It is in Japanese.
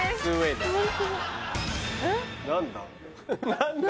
何だ？